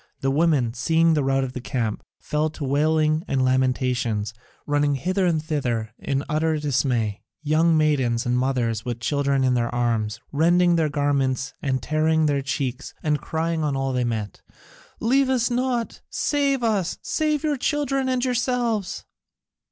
The women, seeing the rout in the camp, fell to wailing and lamentations, running hither and thither in utter dismay, young maidens, and mothers with children in their arms, rending their garments and tearing their cheeks and crying on all they met, "Leave us not, save us, save your children and yourselves!"